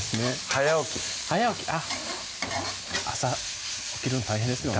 早起き早起き朝起きるの大変ですよね